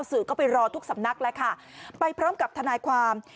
สื่อก็ไปรอทุกสำนักแล้วค่ะไปพร้อมกับทนายความ